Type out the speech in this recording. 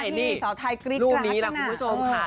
ที่เสาไทยกรีดกราศนา